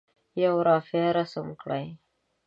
یوه رافعه رسم کړئ.